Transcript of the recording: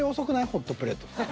ホットプレートって。